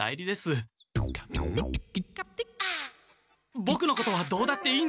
ボクのことはどうだっていいんです。